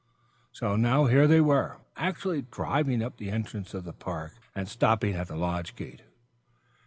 So now here they were, actually driving up to the entrance of the park, and stopping at the lodge gate.